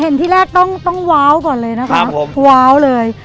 ที่แรกต้องว้าวก่อนเลยนะคะว้าวเลย